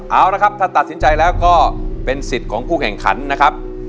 เอาละครับถ้าตัดสินใจแล้วก็เป็นสิทธิ์ของผู้แข่งขันนะครับ